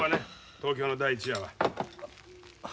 東京の第一夜は。